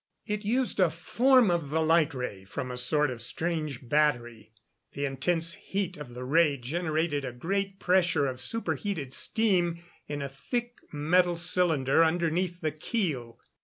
It used a form of the light ray from a sort of strange battery. The intense heat of the ray generated a great pressure of superheated steam in a thick metal cylinder underneath the keel.